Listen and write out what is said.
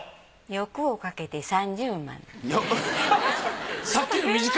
欲をかけて３０万で。